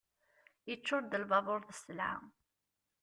Iččur-d lbabur d sselɛa.